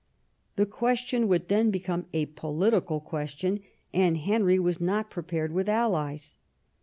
The question would then become a political question, and Henry was not prepared with allies.